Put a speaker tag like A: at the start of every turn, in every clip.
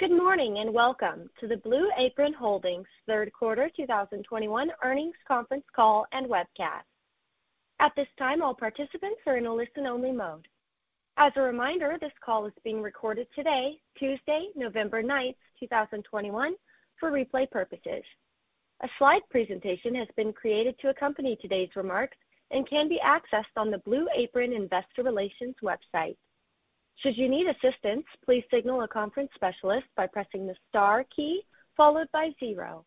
A: Good morning, and welcome to the Blue Apron Holdings third quarter 2021 earnings conference call and webcast. At this time, all participants are in a listen-only mode. As a reminder, this call is being recorded today, Tuesday, November 9, 2021, for replay purposes. A slide presentation has been created to accompany today's remarks and can be accessed on the Blue Apron Investor Relations website. Should you need assistance, please signal a conference specialist by pressing the star key followed by zero.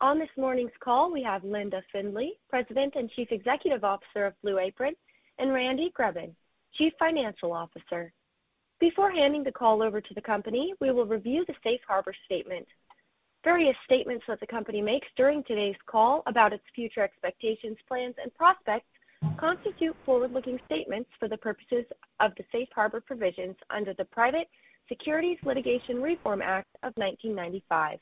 A: On this morning's call, we have Linda Findley, President and Chief Executive Officer of Blue Apron, and Randy Greben, Chief Financial Officer. Before handing the call over to the company, we will review the safe harbor statement. Various statements that the company makes during today's call about its future expectations, plans and prospects constitute forward-looking statements for the purposes of the safe harbor provisions under the Private Securities Litigation Reform Act of 1995.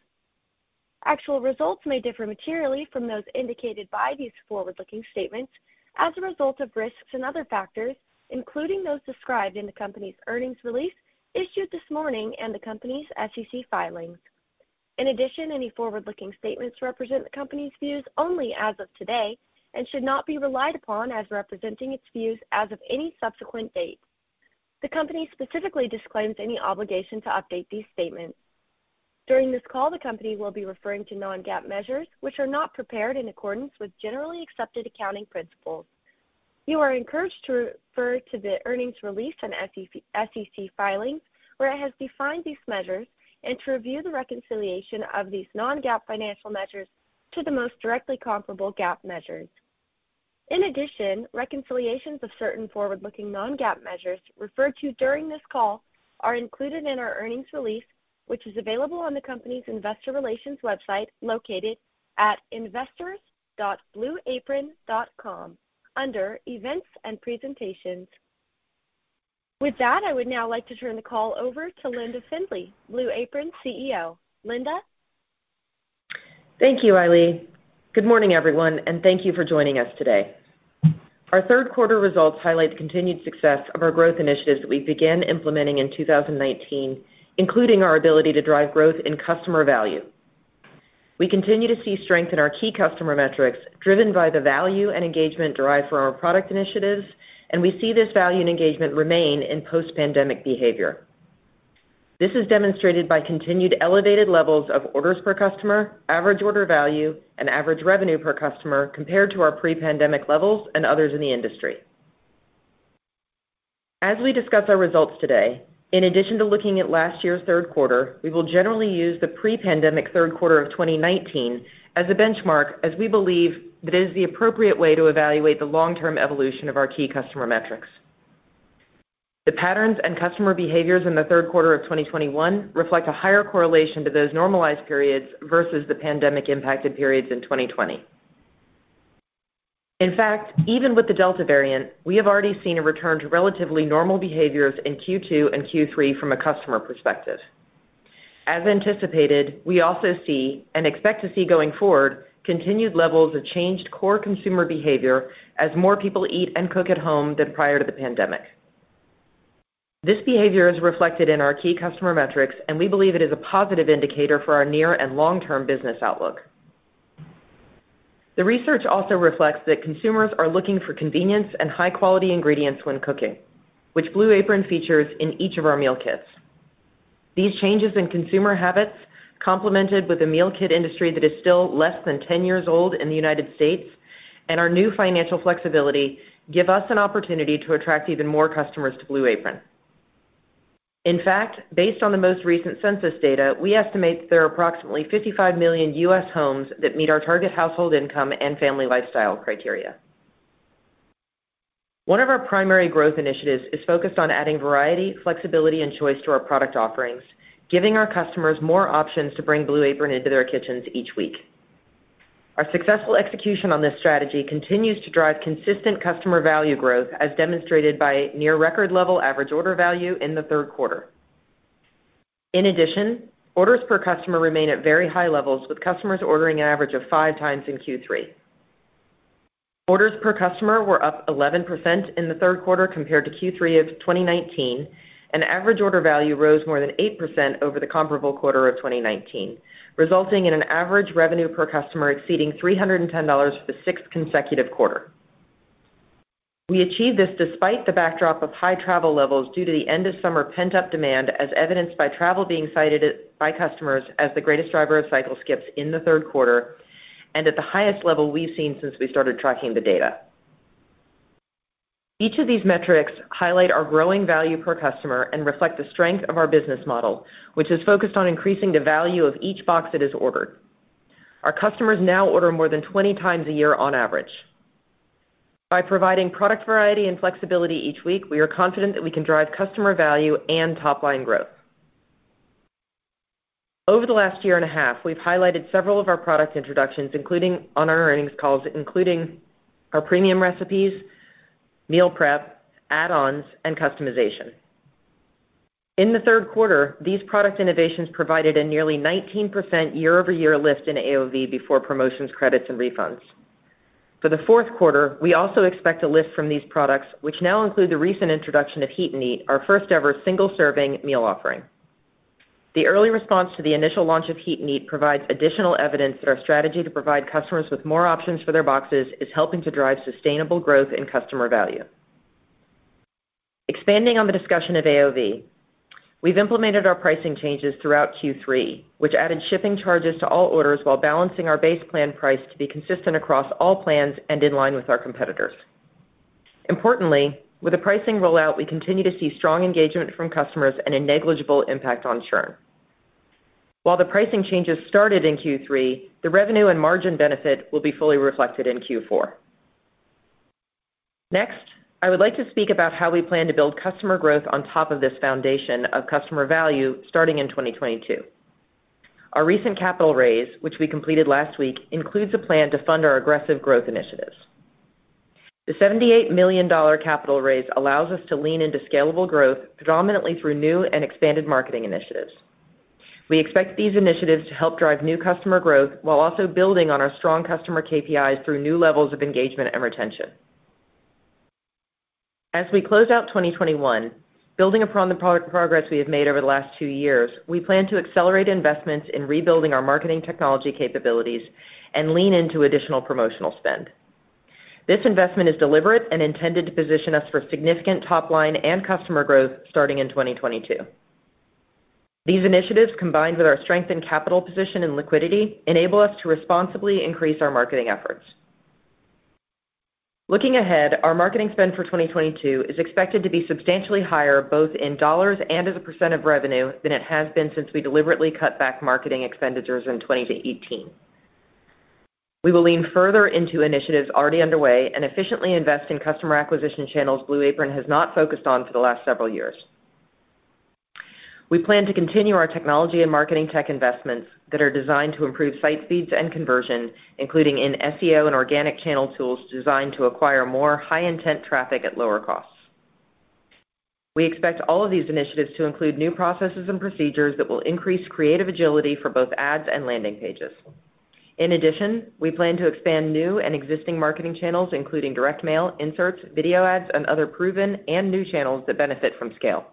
A: Actual results may differ materially from those indicated by these forward-looking statements as a result of risks and other factors, including those described in the company's earnings release issued this morning and the company's SEC filings. In addition, any forward-looking statements represent the company's views only as of today and should not be relied upon as representing its views as of any subsequent date. The company specifically disclaims any obligation to update these statements. During this call, the company will be referring to non-GAAP measures, which are not prepared in accordance with generally accepted accounting principles. You are encouraged to refer to the earnings release and SEC filings, where it has defined these measures, and to review the reconciliation of these non-GAAP financial measures to the most directly comparable GAAP measures. In addition, reconciliations of certain forward-looking non-GAAP measures referred to during this call are included in our earnings release, which is available on the company's investor relations website located at investors.blueapron.com under Events and Presentations. With that, I would now like to turn the call over to Linda Findley, Blue Apron CEO. Linda?
B: Thank you, Riley. Good morning, everyone, and thank you for joining us today. Our third quarter results highlight the continued success of our growth initiatives that we began implementing in 2019, including our ability to drive growth in customer value. We continue to see strength in our key customer metrics, driven by the value and engagement derived from our product initiatives, and we see this value and engagement remain in post-pandemic behavior. This is demonstrated by continued elevated levels of orders per customer, average order value, and average revenue per customer compared to our pre-pandemic levels and others in the industry. As we discuss our results today, in addition to looking at last year's third quarter, we will generally use the pre-pandemic third quarter of 2019 as a benchmark, as we believe it is the appropriate way to evaluate the long-term evolution of our key customer metrics. The patterns and customer behaviors in the third quarter of 2021 reflect a higher correlation to those normalized periods versus the pandemic impacted periods in 2020. In fact, even with the Delta variant, we have already seen a return to relatively normal behaviors in Q2 and Q3 from a customer perspective. As anticipated, we also see and expect to see going forward, continued levels of changed core consumer behavior as more people eat and cook at home than prior to the pandemic. This behavior is reflected in our key customer metrics, and we believe it is a positive indicator for our near and long-term business outlook. The research also reflects that consumers are looking for convenience and high-quality ingredients when cooking, which Blue Apron features in each of our meal kits. These changes in consumer habits, complemented with a meal kit industry that is still less than 10 years old in the United States and our new financial flexibility, give us an opportunity to attract even more customers to Blue Apron. In fact, based on the most recent census data, we estimate that there are approximately 55 million U.S. homes that meet our target household income and family lifestyle criteria. One of our primary growth initiatives is focused on adding variety, flexibility, and choice to our product offerings, giving our customers more options to bring Blue Apron into their kitchens each week. Our successful execution on this strategy continues to drive consistent customer value growth, as demonstrated by near record level average order value in the third quarter. In addition, orders per customer remain at very high levels, with customers ordering an average of 5x in Q3. Orders per customer were up 11% in the third quarter compared to Q3 of 2019, and average order value rose more than 8% over the comparable quarter of 2019, resulting in an average revenue per customer exceeding $310 for the sixth consecutive quarter. We achieved this despite the backdrop of high travel levels due to the end of summer pent-up demand, as evidenced by travel being cited by customers as the greatest driver of cycle skips in the third quarter and at the highest level we've seen since we started tracking the data. Each of these metrics highlight our growing value per customer and reflect the strength of our business model, which is focused on increasing the value of each box that is ordered. Our customers now order more than 20x a year on average. By providing product variety and flexibility each week, we are confident that we can drive customer value and top-line growth. Over the last year and a half, we've highlighted several of our product introductions on our earnings calls, including our premium recipes, meal prep, add-ons, and customization. In the third quarter, these product innovations provided a nearly 19% year-over-year lift in AOV before promotions, credits, and refunds. For the fourth quarter, we also expect a lift from these products, which now include the recent introduction of Heat & Eat, our first-ever single-serving meal offering. The early response to the initial launch of Heat & Eat provides additional evidence that our strategy to provide customers with more options for their boxes is helping to drive sustainable growth in customer value. Expanding on the discussion of AOV, we've implemented our pricing changes throughout Q3, which added shipping charges to all orders while balancing our base plan price to be consistent across all plans and in line with our competitors. Importantly, with the pricing rollout, we continue to see strong engagement from customers and a negligible impact on churn. While the pricing changes started in Q3, the revenue and margin benefit will be fully reflected in Q4. Next, I would like to speak about how we plan to build customer growth on top of this foundation of customer value starting in 2022. Our recent capital raise, which we completed last week, includes a plan to fund our aggressive growth initiatives. The $78 million capital raise allows us to lean into scalable growth predominantly through new and expanded marketing initiatives. We expect these initiatives to help drive new customer growth while also building on our strong customer KPIs through new levels of engagement and retention. As we close out 2021, building upon the progress we have made over the last two years, we plan to accelerate investments in rebuilding our marketing technology capabilities and lean into additional promotional spend. This investment is deliberate and intended to position us for significant top line and customer growth starting in 2022. These initiatives, combined with our strength and capital position and liquidity, enable us to responsibly increase our marketing efforts. Looking ahead, our marketing spend for 2022 is expected to be substantially higher, both in dollars and as a percent of revenue, than it has been since we deliberately cut back marketing expenditures in 2018. We will lean further into initiatives already underway and efficiently invest in customer acquisition channels Blue Apron has not focused on for the last several years. We plan to continue our technology and marketing tech investments that are designed to improve site speeds and conversion, including in SEO and organic channel tools designed to acquire more high-intent traffic at lower costs. We expect all of these initiatives to include new processes and procedures that will increase creative agility for both ads and landing pages. In addition, we plan to expand new and existing marketing channels, including direct mail, inserts, video ads, and other proven and new channels that benefit from scale.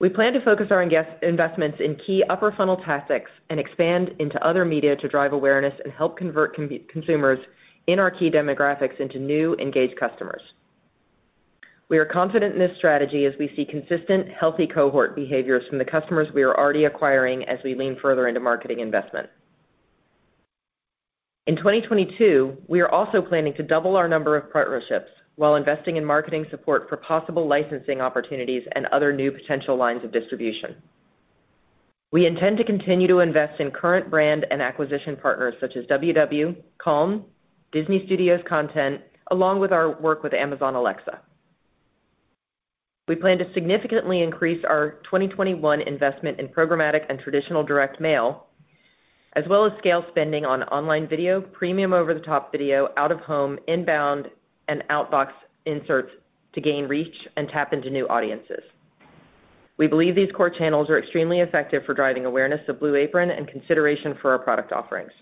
B: We plan to focus our investments in key upper funnel tactics and expand into other media to drive awareness and help convert consumers in our key demographics into new, engaged customers. We are confident in this strategy as we see consistent, healthy cohort behaviors from the customers we are already acquiring as we lean further into marketing investment. In 2022, we are also planning to double our number of partnerships while investing in marketing support for possible licensing opportunities and other new potential lines of distribution. We intend to continue to invest in current brand and acquisition partners such as WW, Calm, Disney Studios Content, along with our work with Amazon Alexa. We plan to significantly increase our 2021 investment in programmatic and traditional direct mail, as well as scale spending on online video, premium over-the-top video, out of home, inbound, and outbox inserts to gain reach and tap into new audiences. We believe these core channels are extremely effective for driving awareness of Blue Apron and consideration for our product offerings.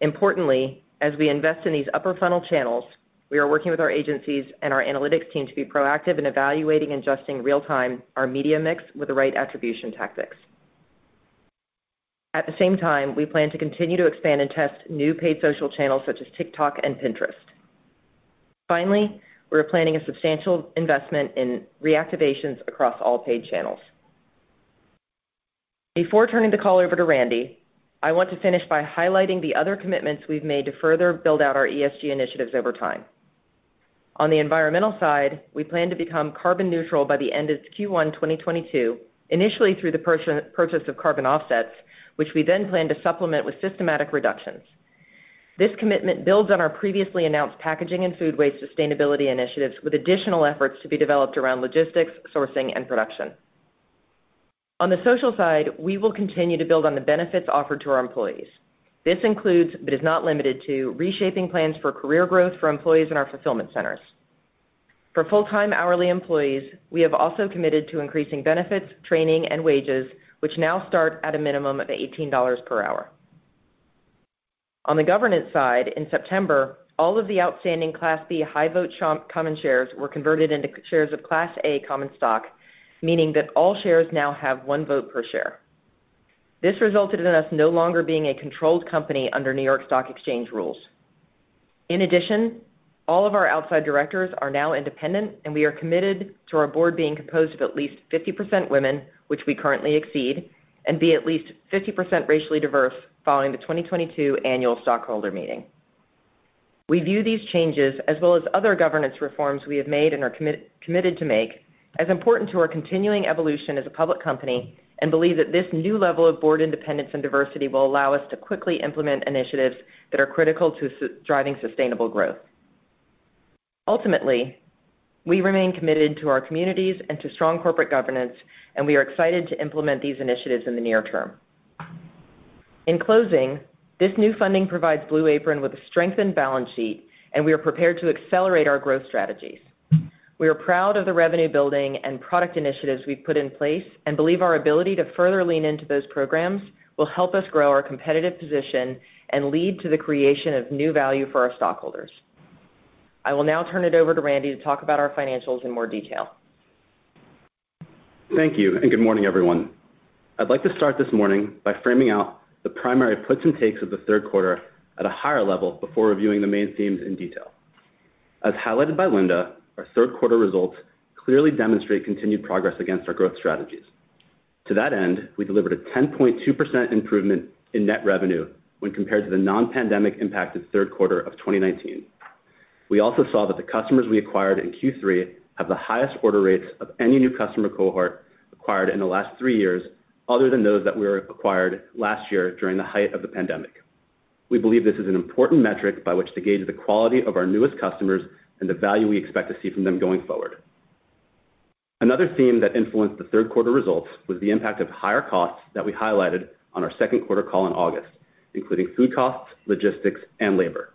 B: Importantly, as we invest in these upper funnel channels, we are working with our agencies and our analytics team to be proactive in evaluating and adjusting real-time our media mix with the right attribution tactics. At the same time, we plan to continue to expand and test new paid social channels such as TikTok and Pinterest. Finally, we are planning a substantial investment in reactivations across all paid channels. Before turning the call over to Randy, I want to finish by highlighting the other commitments we've made to further build out our ESG initiatives over time. On the environmental side, we plan to become carbon neutral by the end of Q1 2022, initially through the purchase of carbon offsets, which we then plan to supplement with systematic reductions. This commitment builds on our previously announced packaging and food waste sustainability initiatives, with additional efforts to be developed around logistics, sourcing, and production. On the social side, we will continue to build on the benefits offered to our employees. This includes, but is not limited to, reshaping plans for career growth for employees in our fulfillment centers. For full-time hourly employees, we have also committed to increasing benefits, training, and wages, which now start at a minimum of $18 per hour. On the governance side, in September, all of the outstanding Class B high-vote common shares were converted into shares of Class A common stock, meaning that all shares now have one vote per share. This resulted in us no longer being a controlled company under New York Stock Exchange rules. In addition, all of our outside directors are now independent, and we are committed to our board being composed of at least 50% women, which we currently exceed, and be at least 50% racially diverse following the 2022 annual stockholder meeting. We view these changes, as well as other governance reforms we have made and are committed to make, as important to our continuing evolution as a public company, and believe that this new level of board independence and diversity will allow us to quickly implement initiatives that are critical to driving sustainable growth. Ultimately, we remain committed to our communities and to strong corporate governance, and we are excited to implement these initiatives in the near term. In closing, this new funding provides Blue Apron with a strengthened balance sheet, and we are prepared to accelerate our growth strategies. We are proud of the revenue building and product initiatives we've put in place and believe our ability to further lean into those programs will help us grow our competitive position and lead to the creation of new value for our stockholders. I will now turn it over to Randy Greben to talk about our financials in more detail.
C: Thank you, and good morning, everyone. I'd like to start this morning by framing out the primary puts and takes of the third quarter at a higher level before reviewing the main themes in detail. As highlighted by Linda, our third quarter results clearly demonstrate continued progress against our growth strategies. To that end, we delivered a 10.2% improvement in net revenue when compared to the non-pandemic impacted third quarter of 2019. We also saw that the customers we acquired in Q3 have the highest order rates of any new customer cohort acquired in the last three years other than those that were acquired last year during the height of the pandemic. We believe this is an important metric by which to gauge the quality of our newest customers and the value we expect to see from them going forward. Another theme that influenced the third quarter results was the impact of higher costs that we highlighted on our second quarter call in August, including food costs, logistics and labor.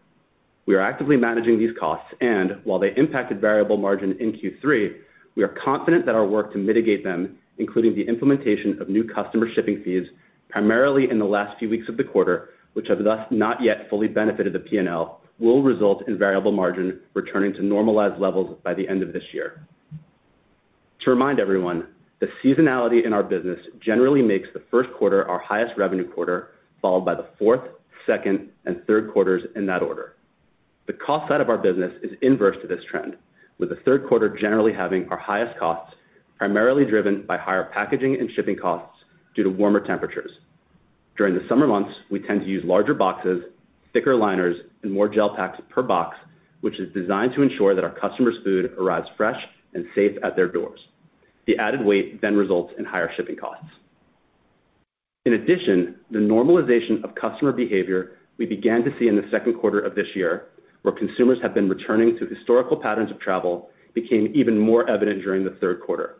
C: We are actively managing these costs, and while they impacted variable margin in Q3, we are confident that our work to mitigate them, including the implementation of new customer shipping fees, primarily in the last few weeks of the quarter, which have thus not yet fully benefited the PNL, will result in variable margin returning to normalized levels by the end of this year. To remind everyone, the seasonality in our business generally makes the first quarter our highest revenue quarter, followed by the fourth, second and third quarters in that order. The cost side of our business is inverse to this trend, with the third quarter generally having our highest costs, primarily driven by higher packaging and shipping costs due to warmer temperatures. During the summer months, we tend to use larger boxes, thicker liners and more gel packs per box, which is designed to ensure that our customer's food arrives fresh and safe at their doors. The added weight then results in higher shipping costs. In addition, the normalization of customer behavior we began to see in the second quarter of this year, where consumers have been returning to historical patterns of travel, became even more evident during the third quarter.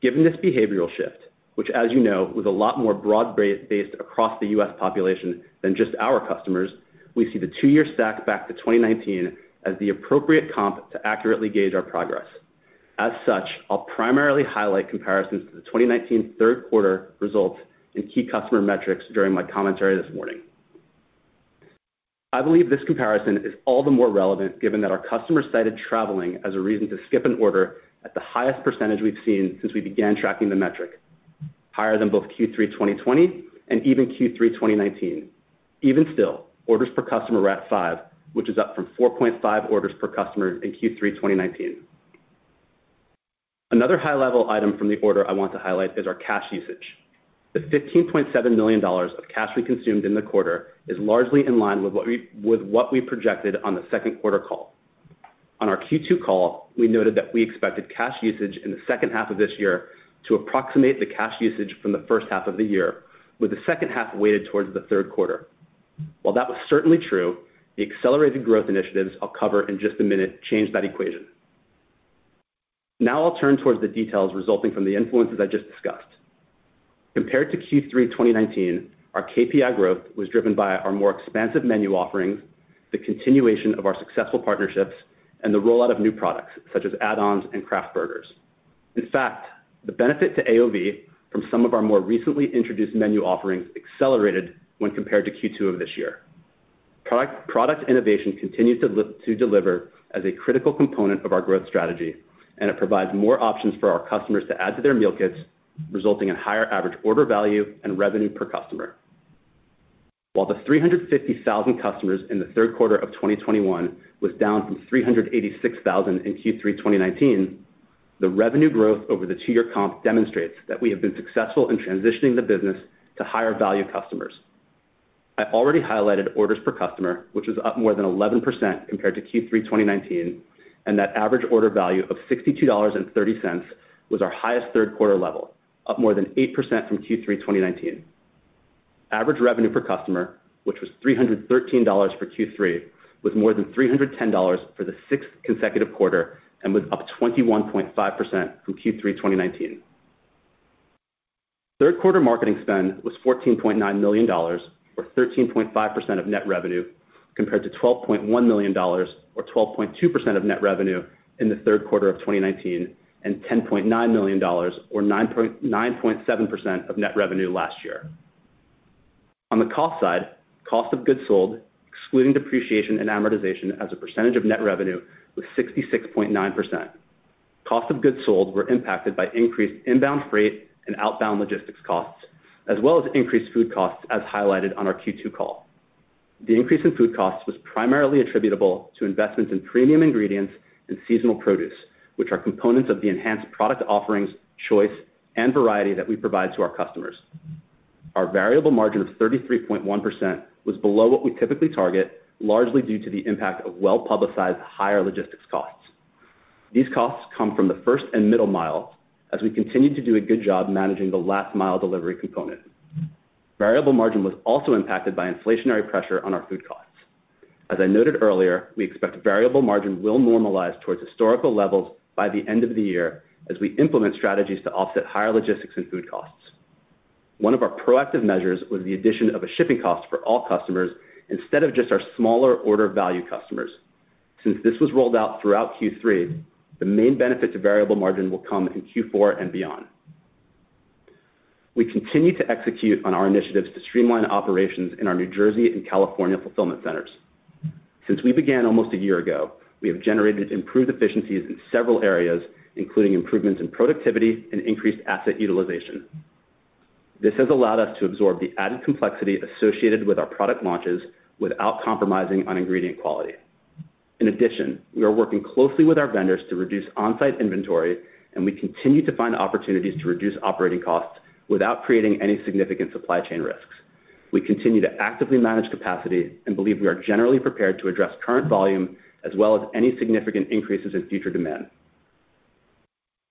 C: Given this behavioral shift, which, as you know, was a lot more broad-based across the U.S. population than just our customers, we see the two-year stack back to 2019 as the appropriate comp to accurately gauge our progress. As such, I'll primarily highlight comparisons to the 2019 third quarter results in key customer metrics during my commentary this morning. I believe this comparison is all the more relevant given that our customers cited traveling as a reason to skip an order at the highest percentage we've seen since we began tracking the metric, higher than both Q3 2020 and even Q3 2019. Even still, orders per customer were at five, which is up from 4.5 orders per customer in Q3 2019. Another high-level item from the quarter I want to highlight is our cash usage. The $15.7 million of cash we consumed in the quarter is largely in line with what we projected on the second quarter call. On our Q2 call, we noted that we expected cash usage in the second half of this year to approximate the cash usage from the first half of the year, with the second half weighted towards the third quarter. While that was certainly true, the accelerated growth initiatives I'll cover in just a minute changed that equation. Now I'll turn towards the details resulting from the influences I just discussed. Compared to Q3 2019, our KPI growth was driven by our more expansive menu offerings, the continuation of our successful partnerships, and the rollout of new products such as Add-ons and Craft Burger. In fact, the benefit to AOV from some of our more recently introduced menu offerings accelerated when compared to Q2 of this year. Product innovation continued to deliver as a critical component of our growth strategy, and it provides more options for our customers to add to their meal kits, resulting in higher average order value and revenue per customer. While the 350,000 customers in the third quarter of 2021 was down from 386,000 in Q3 2019, the revenue growth over the two-year comp demonstrates that we have been successful in transitioning the business to higher value customers. I already highlighted orders per customer, which was up more than 11% compared to Q3 2019, and that average order value of $62.30 was our highest third quarter level, up more than 8% from Q3 2019. Average revenue per customer, which was $313 for Q3, was more than $310 for the sixth consecutive quarter and was up 21.5% from Q3 2019. Third quarter marketing spend was $14.9 million, or 13.5% of net revenue, compared to $12.1 million or 12.2% of net revenue in the third quarter of 2019 and $10.9 million or 9.7% of net revenue last year. On the cost side, cost of goods sold, excluding depreciation and amortization as a percentage of net revenue was 66.9%. Cost of goods sold were impacted by increased inbound freight and outbound logistics costs, as well as increased food costs as highlighted on our Q2 call. The increase in food costs was primarily attributable to investments in premium ingredients and seasonal produce, which are components of the enhanced product offerings, choice and variety that we provide to our customers. Our variable margin of 33.1% was below what we typically target, largely due to the impact of well-publicized higher logistics costs. These costs come from the first and middle mile as we continue to do a good job managing the last mile delivery component. Variable margin was also impacted by inflationary pressure on our food costs. As I noted earlier, we expect variable margin will normalize towards historical levels by the end of the year as we implement strategies to offset higher logistics and food costs. One of our proactive measures was the addition of a shipping cost for all customers instead of just our smaller order value customers. Since this was rolled out throughout Q3, the main benefit to variable margin will come in Q4 and beyond. We continue to execute on our initiatives to streamline operations in our New Jersey and California fulfillment centers. Since we began almost a year ago, we have generated improved efficiencies in several areas, including improvements in productivity and increased asset utilization. This has allowed us to absorb the added complexity associated with our product launches without compromising on ingredient quality. In addition, we are working closely with our vendors to reduce on-site inventory, and we continue to find opportunities to reduce operating costs without creating any significant supply chain risks. We continue to actively manage capacity and believe we are generally prepared to address current volume as well as any significant increases in future demand.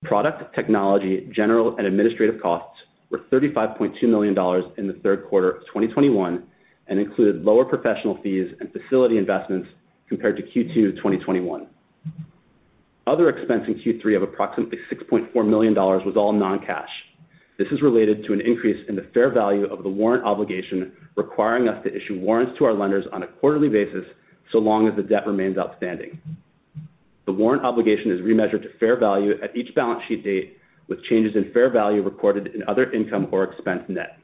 C: Product technology, general and administrative costs were $35.2 million in Q3 2021 and included lower professional fees and facility investments compared to Q2 2021. Other expense in Q3 of approximately $6.4 million was all non-cash. This is related to an increase in the fair value of the warrant obligation, requiring us to issue warrants to our lenders on a quarterly basis, so long as the debt remains outstanding. The warrant obligation is remeasured to fair value at each balance sheet date, with changes in fair value reported in other income or expense net.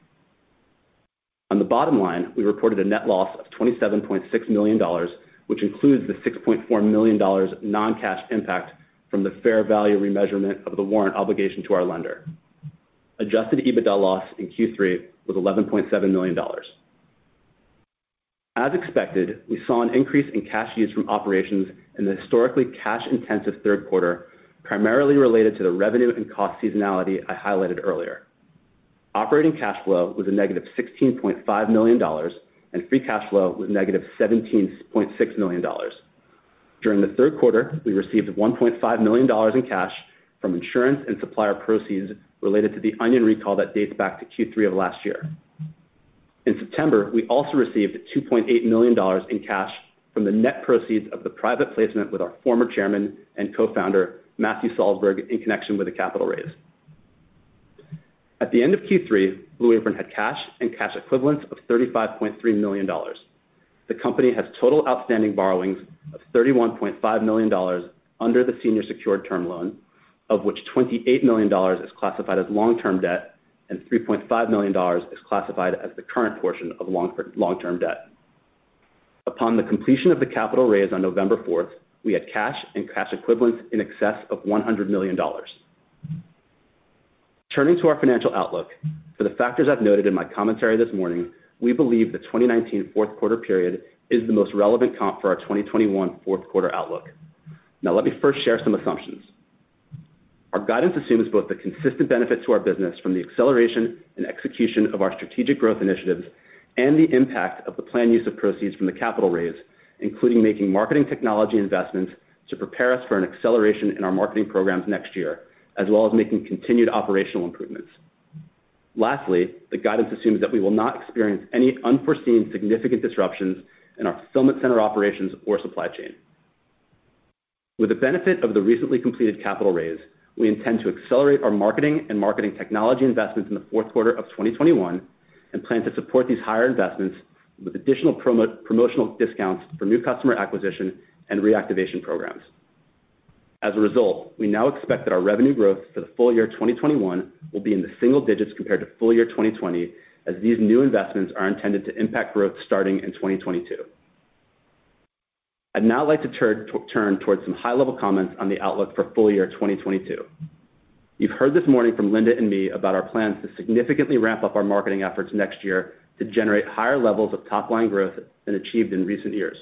C: On the bottom line, we reported a net loss of $27.6 million, which includes the $6.4 million non-cash impact from the fair value remeasurement of the warrant obligation to our lender. Adjusted EBITDA loss in Q3 was $11.7 million. As expected, we saw an increase in cash use from operations in the historically cash-intensive third quarter, primarily related to the revenue and cost seasonality I highlighted earlier. Operating cash flow was a -$16.5 million, and free cash flow was -$17.6 million. During the third quarter, we received $1.5 million in cash from insurance and supplier proceeds related to the onion recall that dates back to Q3 of last year. In September, we also received $2.8 million in cash from the net proceeds of the private placement with our former chairman and co-founder, Matthew Salzberg, in connection with the capital raise. At the end of Q3, Blue Apron had cash and cash equivalents of $35.3 million. The company has total outstanding borrowings of $31.5 million under the senior secured term loan, of which $28 million is classified as long-term debt and $3.5 million is classified as the current portion of long-term debt. Upon the completion of the capital raise on November 4, we had cash and cash equivalents in excess of $100 million. Turning to our financial outlook, for the factors I've noted in my commentary this morning, we believe the 2019 fourth quarter period is the most relevant comp for our 2021 fourth quarter outlook. Now, let me first share some assumptions. Our guidance assumes both the consistent benefit to our business from the acceleration and execution of our strategic growth initiatives and the impact of the planned use of proceeds from the capital raise, including making marketing technology investments to prepare us for an acceleration in our marketing programs next year, as well as making continued operational improvements. Lastly, the guidance assumes that we will not experience any unforeseen significant disruptions in our fulfillment center operations or supply chain. With the benefit of the recently completed capital raise, we intend to accelerate our marketing and marketing technology investments in the fourth quarter of 2021 and plan to support these higher investments with additional promotional discounts for new customer acquisition and reactivation programs. As a result, we now expect that our revenue growth for the full-year 2021 will be in the single digits compared to full-year 2020, as these new investments are intended to impact growth starting in 2022. I'd now like to turn towards some high-level comments on the outlook for full-year 2022. You've heard this morning from Linda and me about our plans to significantly ramp up our marketing efforts next year to generate higher levels of top-line growth than achieved in recent years.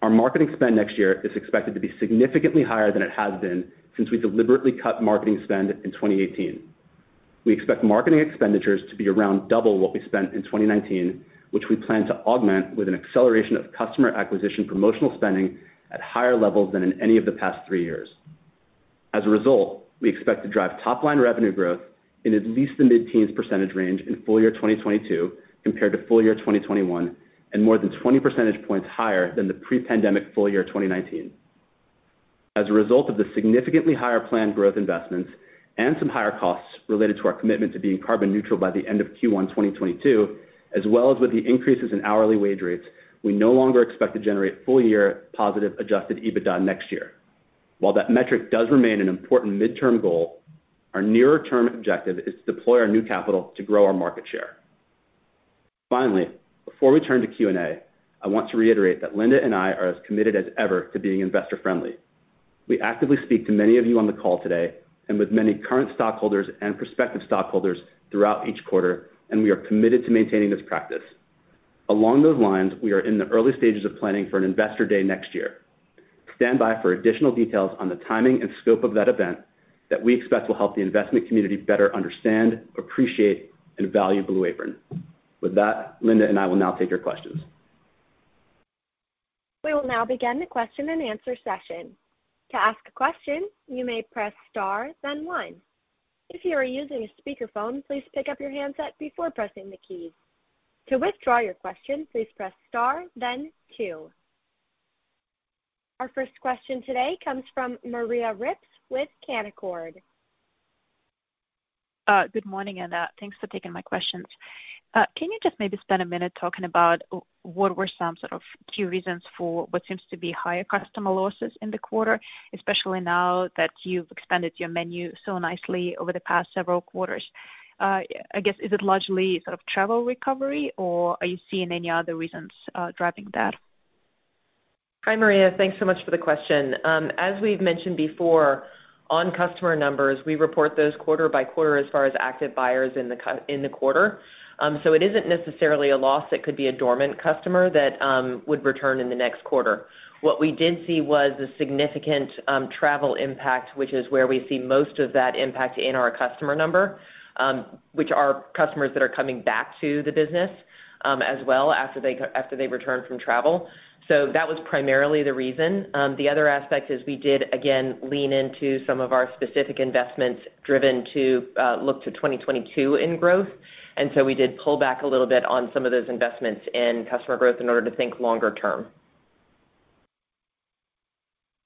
C: Our marketing spend next year is expected to be significantly higher than it has been since we deliberately cut marketing spend in 2018. We expect marketing expenditures to be around double what we spent in 2019, which we plan to augment with an acceleration of customer acquisition promotional spending at higher levels than in any of the past three years. As a result, we expect to drive top-line revenue growth in at least the mid-teens percentage range in full-year 2022 compared to full-year 2021 and more than 20 percentage points higher than the pre-pandemic full-year 2019. As a result of the significantly higher planned growth investments and some higher costs related to our commitment to being carbon neutral by the end of Q1 2022, as well as with the increases in hourly wage rates, we no longer expect to generate full-year positive adjusted EBITDA next year. While that metric does remain an important midterm goal, our nearer term objective is to deploy our new capital to grow our market share. Finally, before we turn to Q&A, I want to reiterate that Linda and I are as committed as ever to being investor friendly. We actively speak to many of you on the call today and with many current stockholders and prospective stockholders throughout each quarter, and we are committed to maintaining this practice. Along those lines, we are in the early stages of planning for an investor day next year. Stand by for additional details on the timing and scope of that event that we expect will help the investment community better understand, appreciate, and value Blue Apron. With that, Linda and I will now take your questions.
A: Our first question today comes from Maria Ripps with Canaccord.
D: Good morning, and thanks for taking my questions. Can you just maybe spend a minute talking about what were some sort of key reasons for what seems to be higher customer losses in the quarter, especially now that you've expanded your menu so nicely over the past several quarters? I guess, is it largely sort of travel recovery, or are you seeing any other reasons driving that?
B: Hi, Maria. Thanks so much for the question. As we've mentioned before, on customer numbers, we report those quarter-by-quarter as far as active buyers in the quarter. So it isn't necessarily a loss. It could be a dormant customer that would return in the next quarter. What we did see was a significant travel impact, which is where we see most of that impact in our customer number, which are customers that are coming back to the business as well after they've returned from travel. So that was primarily the reason. The other aspect is we did, again, lean into some of our specific investments driven to look to 2022 in growth. We did pull back a little bit on some of those investments in customer growth in order to think longer term.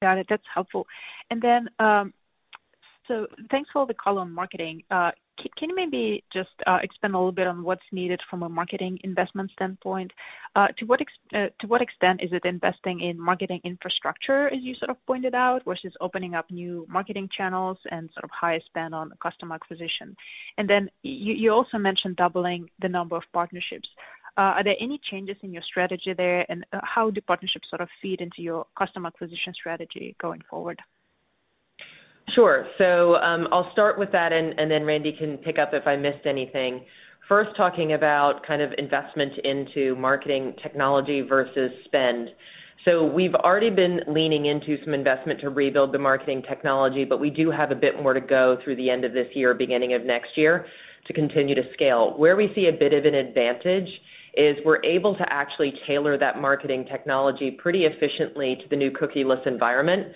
D: Got it. That's helpful. Thanks for all the color on marketing. Can you maybe just expand a little bit on what's needed from a marketing investment standpoint? To what extent is it investing in marketing infrastructure, as you sort of pointed out, versus opening up new marketing channels and sort of higher spend on customer acquisition? You also mentioned doubling the number of partnerships. Are there any changes in your strategy there, and how do partnerships sort of feed into your customer acquisition strategy going forward?
B: Sure. I'll start with that and then Randy can pick up if I missed anything. First, talking about kind of investment into marketing technology versus spend, we've already been leaning into some investment to rebuild the marketing technology, but we do have a bit more to go through the end of this year, beginning of next year to continue to scale. Where we see a bit of an advantage is we're able to actually tailor that marketing technology pretty efficiently to the new cookieless environment,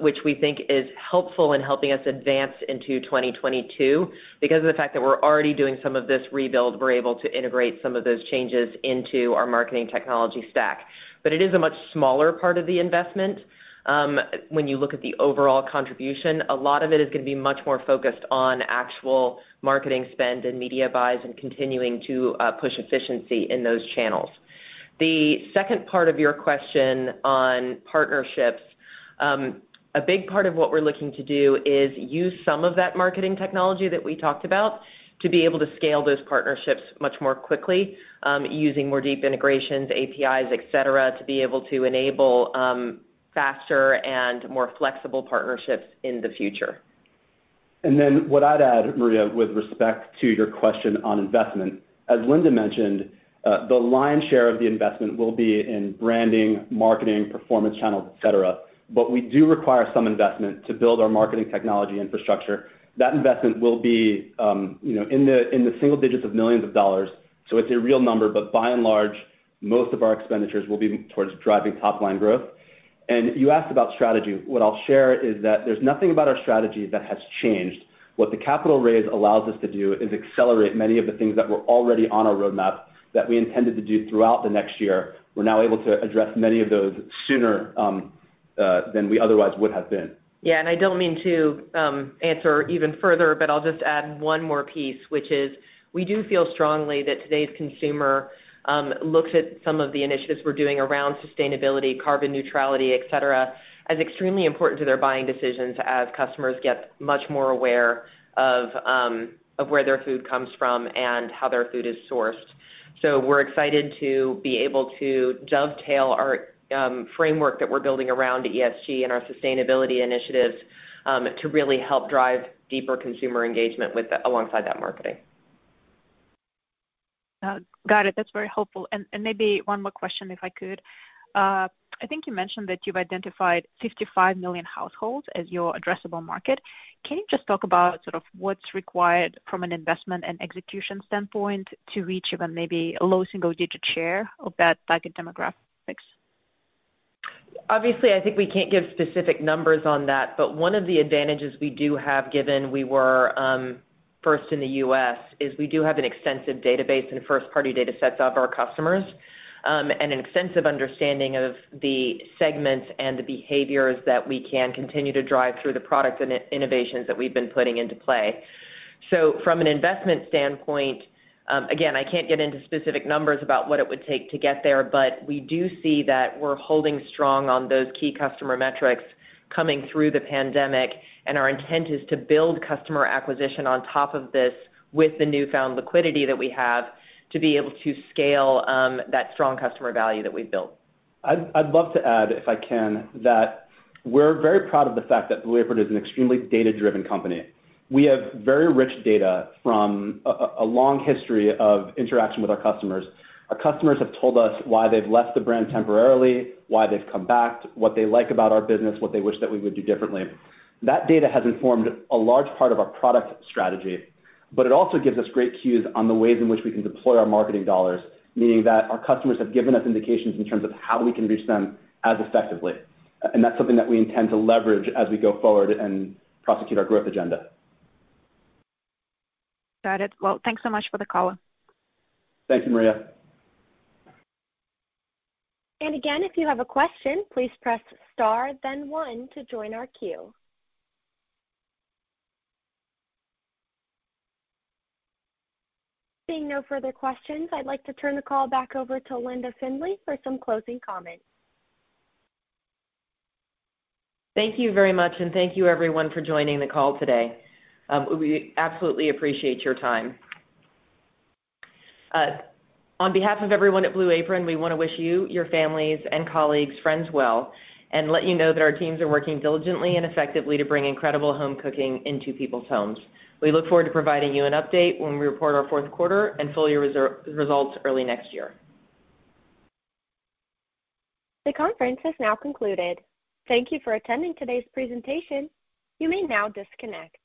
B: which we think is helpful in helping us advance into 2022. Because of the fact that we're already doing some of this rebuild, we're able to integrate some of those changes into our marketing technology stack. But it is a much smaller part of the investment. When you look at the overall contribution, a lot of it is gonna be much more focused on actual marketing spend and media buys and continuing to push efficiency in those channels. The second part of your question on partnerships, a big part of what we're looking to do is use some of that marketing technology that we talked about to be able to scale those partnerships much more quickly, using more deep integrations, APIs, et cetera, to be able to enable faster and more flexible partnerships in the future.
C: What I'd add, Maria, with respect to your question on investment, as Linda mentioned, the lion's share of the investment will be in branding, marketing, performance channels, et cetera, but we do require some investment to build our marketing technology infrastructure. That investment will be, you know, in the single digits of millions of dollars, so it's a real number. By and large, most of our expenditures will be towards driving top-line growth. You asked about strategy. What I'll share is that there's nothing about our strategy that has changed. What the capital raise allows us to do is accelerate many of the things that were already on our roadmap that we intended to do throughout the next year. We're now able to address many of those sooner than we otherwise would have been.
B: Yeah. I don't mean to answer even further, but I'll just add one more piece, which is we do feel strongly that today's consumer looks at some of the initiatives we're doing around sustainability, carbon neutrality, et cetera, as extremely important to their buying decisions as customers get much more aware of where their food comes from and how their food is sourced. We're excited to be able to dovetail our framework that we're building around ESG and our sustainability initiatives to really help drive deeper consumer engagement alongside that marketing.
D: Got it. That's very helpful. Maybe one more question, if I could. I think you mentioned that you've identified 55 million households as your addressable market. Can you just talk about sort of what's required from an investment and execution standpoint to reach even maybe a low single-digit share of that target demographics?
B: Obviously, I think we can't give specific numbers on that, but one of the advantages we do have, given we were first in the U.S., is we do have an extensive database and first-party datasets of our customers, and an extensive understanding of the segments and the behaviors that we can continue to drive through the product innovations that we've been putting into play. So from an investment standpoint, again, I can't get into specific numbers about what it would take to get there, but we do see that we're holding strong on those key customer metrics coming through the pandemic, and our intent is to build customer acquisition on top of this with the newfound liquidity that we have to be able to scale that strong customer value that we've built.
C: I'd love to add, if I can, that we're very proud of the fact that Blue Apron is an extremely data-driven company. We have very rich data from a long history of interaction with our customers. Our customers have told us why they've left the brand temporarily, why they've come back, what they like about our business, what they wish that we would do differently. That data has informed a large part of our product strategy, but it also gives us great cues on the ways in which we can deploy our marketing dollars, meaning that our customers have given us indications in terms of how we can reach them as effectively. That's something that we intend to leverage as we go forward and prosecute our growth agenda.
D: Got it. Well, thanks so much for the call.
C: Thank you, Maria.
A: Again, if you have a question, please press star then one to join our queue. Seeing no further questions, I'd like to turn the call back over to Linda Findley for some closing comments.
B: Thank you very much, and thank you everyone for joining the call today. We absolutely appreciate your time. On behalf of everyone at Blue Apron, we wanna wish you, your families and colleagues, friends well, and let you know that our teams are working diligently and effectively to bring incredible home cooking into people's homes. We look forward to providing you an update when we report our fourth quarter and full-year results early next year.
A: The conference has now concluded. Thank you for attending today's presentation. You may now disconnect.